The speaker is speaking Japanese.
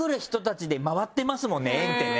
縁ってね。